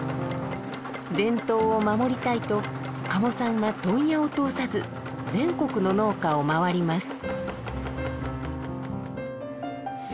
伝統を守りたいと加茂さんは問屋を通さず全国の農家を回ります。